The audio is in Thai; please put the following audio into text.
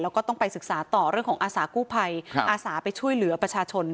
แล้วก็ต้องไปศึกษาต่อเรื่องของอาสากู้ภัยอาสาไปช่วยเหลือประชาชน